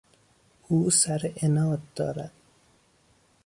او سر عناد دارد.